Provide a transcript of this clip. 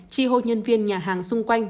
tri hô nhân viên nhà hàng xung quanh